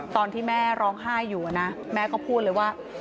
ตอนที่แม่ร้องไห้อยู่นะแม่ก็พูดเลยว่า